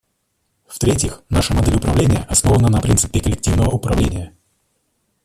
В-третьих, наша модель управления основана на принципе коллективного управления.